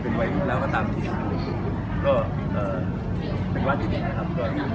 แล้วยังพูดที่การแบบ